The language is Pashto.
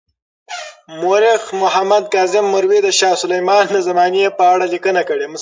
مورخ محمد کاظم مروي د شاه سلیمان د زمانې په اړه لیکنه کړې.